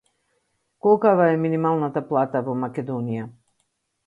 Колкава е минималната плата во Македонија?